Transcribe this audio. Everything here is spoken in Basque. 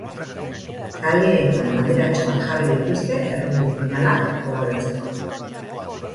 Kaleetan banderatxoak jarri dituzte errugbi finalak gogoratzeko.